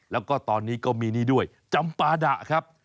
แล้วก็ตอนนี้ก็มีนี่ด้วยจำปาดะครับ